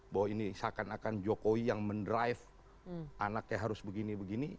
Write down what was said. bahwa ini seakan akan jokowi yang mendrive anaknya harus begini begini